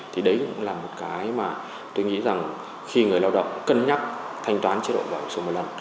thì đấy cũng là một cái mà tôi nghĩ rằng khi người lao động cân nhắc thanh toán chế đội bảo hiểm xã hội một lần